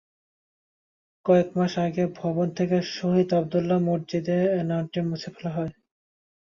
কয়েক মাস আগে ভবন থেকে শহীদ আব্দুল মজিদের নামটি মুছে ফেলা হয়।